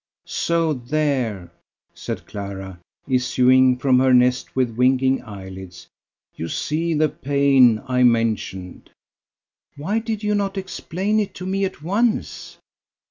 So there," said Clara, issuing from her nest with winking eyelids, "you see the pain I mentioned." "Why did you not explain it to me at once?"